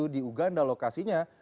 di uganda lokasinya